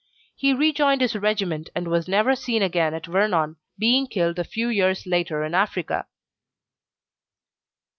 He rejoined his regiment, and was never seen again at Vernon, being killed a few years later in Africa.